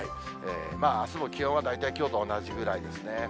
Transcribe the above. あすも気温は大体きょうと同じぐらいですね。